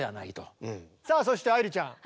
さあそして愛理ちゃん